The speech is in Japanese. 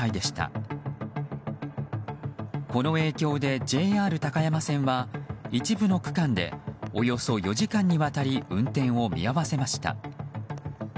この影響でＪＲ高山線は一部の区間でおよそ４時間にわたり運転を見合わせました。